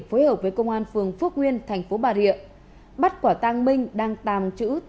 phối hợp với công an phường phước nguyên tp bà rịa bắt quả tăng minh đăng tàm chữ